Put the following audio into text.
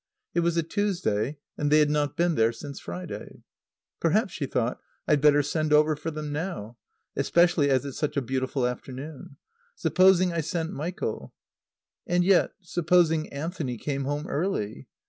It was a Tuesday, and they had not been there since Friday. Perhaps, she thought, I'd better send over for them now. Especially as it's such a beautiful afternoon. Supposing I sent Michael? And yet, supposing Anthony came home early?